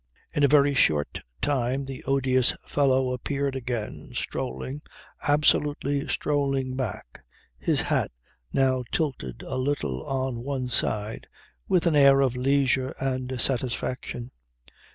In a very short time the odious fellow appeared again, strolling, absolutely strolling back, his hat now tilted a little on one side, with an air of leisure and satisfaction.